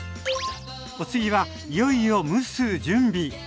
お次はいよいよ蒸す準備。